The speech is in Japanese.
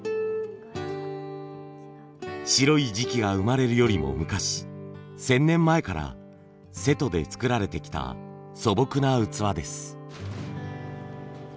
白い磁器が生まれるよりも昔１，０００年前から瀬戸で作られてきた素朴な器です。